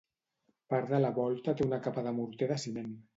Part de la volta té una capa de morter de ciment.